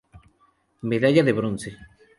Medalla de bronce.